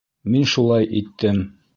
Мин шулай иттем.